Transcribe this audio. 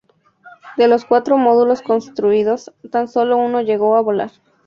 De los cuatro módulos construidos, tan sólo uno llegó a volar.